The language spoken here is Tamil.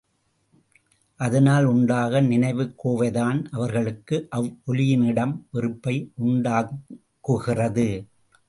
அதனால் உண்டாகும் நினைவுக் கோவைதான் அவர்களுக்கு அவ்வொலியினிடம் வெறுப்பை உண்டாக்குகிறது.